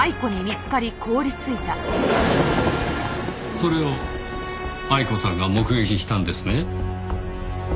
それを愛子さんが目撃したんですね。